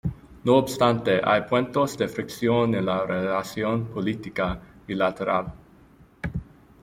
No obstante, hay puntos de fricción en la relación política bilateral.